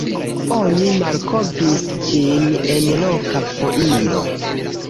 Oni malkovris ĝin en loka foiro.